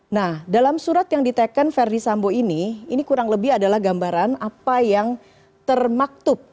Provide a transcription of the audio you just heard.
nah dalam surat yang ditekan verdi sambo ini ini kurang lebih adalah gambaran apa yang termaktub